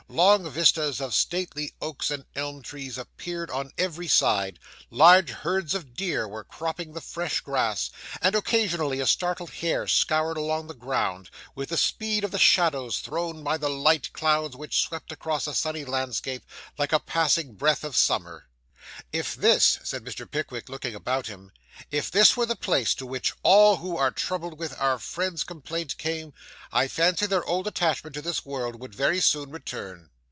Long vistas of stately oaks and elm trees appeared on every side; large herds of deer were cropping the fresh grass; and occasionally a startled hare scoured along the ground, with the speed of the shadows thrown by the light clouds which swept across a sunny landscape like a passing breath of summer. 'If this,' said Mr. Pickwick, looking about him 'if this were the place to which all who are troubled with our friend's complaint came, I fancy their old attachment to this world would very soon return.